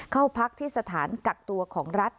เข้าพักที่สถานกักตัวของรัฐ